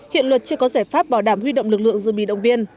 hiện luật chưa có giải pháp bảo đảm huy động lực lượng dự bị động viên